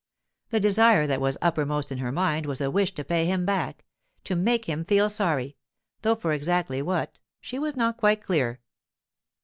The desire that was uppermost in her mind was a wish to pay him back, to make him feel sorry—though for exactly what, she was not quite clear.